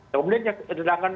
kemudian yang kedua